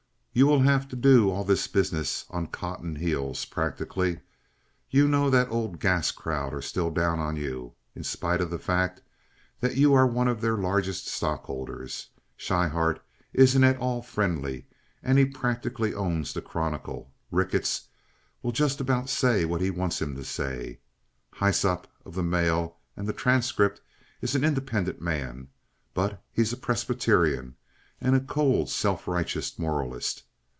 "You will have to do all this business on cotton heels, practically. You know that old gas crowd are still down on you, in spite of the fact that you are one of their largest stockholders. Schryhart isn't at all friendly, and he practically owns the Chronicle. Ricketts will just about say what he wants him to say. Hyssop, of the Mail and the Transcript, is an independent man, but he's a Presbyterian and a cold, self righteous moralist.